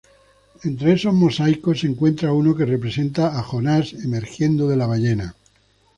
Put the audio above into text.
Entre esos mosaicos, se encuentra uno que representa a Jonás emergiendo de la ballena.